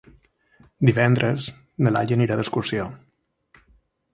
Divendres na Laia anirà d'excursió.